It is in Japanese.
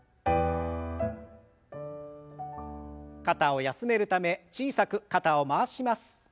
肩を休めるため小さく肩を回します。